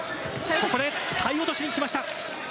ここで体落としに来ました。